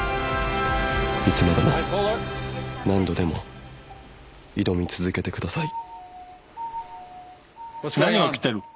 「いつまでも何度でも挑み続けてください」